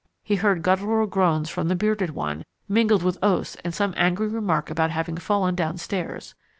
He heard guttural groans from the bearded one, mingled with oaths and some angry remark about having fallen downstairs.